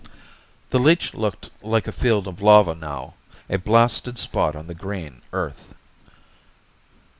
The leech looked like a field of lava now, a blasted spot on the green Earth.